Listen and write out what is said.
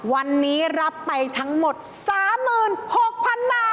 วันนี้รับไปทั้งหมด๓๖๐๐๐บาท